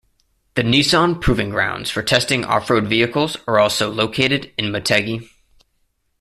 The Nissan Proving Grounds for testing off-road vehicles are also located in Motegi.